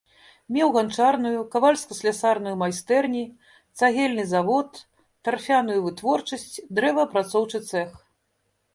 Меў ганчарную, кавальска-слясарную майстэрні, цагельны завод, тарфяную вытворчасць, дрэваапрацоўчы цэх.